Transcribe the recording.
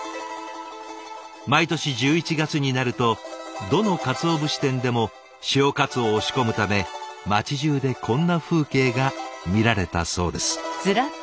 毎年１１月になるとどの鰹節店でも潮かつおを仕込むため町じゅうでこんな風景が見られたそうです。